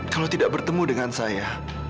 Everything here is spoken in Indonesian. kalau tidak bertemu dengan saya